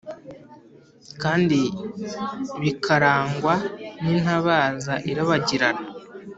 kandi bikarangwa n'intabaza irabagirana